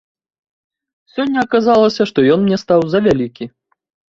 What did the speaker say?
Сёння аказалася, што ён мне стаў завялікі.